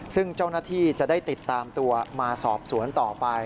ซึ่งเจ้าหน้าที่จะได้ติดตามตัวมาสอบสวนต่อไป